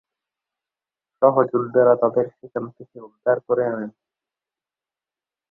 সহযোদ্ধারা তাদের সেখান থেকে উদ্ধার করে আনেন।